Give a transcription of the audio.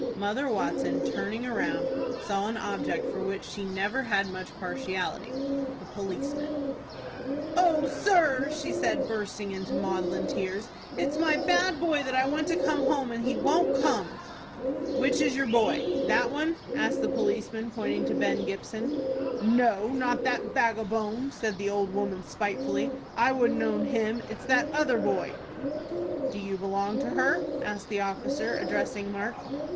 Mother Watson, turning round, saw an object for which she never had much partiality, a policeman. "O sir," said she, bursting into maudlin tears, "it's my bad boy that I want to come home, and he won't come." "Which is your boy, that one?" asked the policeman, pointing to Ben Gibson. "No, not that vagabone!" said the old woman, spitefully. "I wouldn't own him. It's that other boy." "Do you belong to her?" asked the officer, addressing Mark.